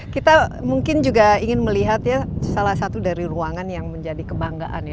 kita mungkin juga ingin melihat ya salah satu dari ruangan yang menjadi kebanggaan ya